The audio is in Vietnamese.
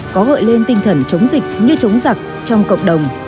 có gợi lên tinh thần chống dịch như chống giặc trong cộng đồng